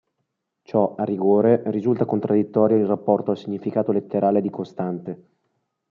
Ciò, a rigore, risulta contraddittorio in rapporto al significato letterale di "costante".